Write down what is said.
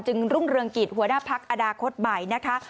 รุ่งเรืองกิจหัวหน้าพักอนาคตใหม่นะคะ